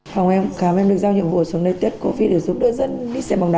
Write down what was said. phòng khám em được giao nhiệm vụ xuống nơi test covid để giúp đỡ dân đi xem bóng đá